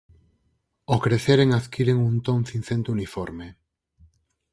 Ao creceren adquiren un ton cincento uniforme.